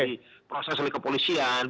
di proses oleh kepolisian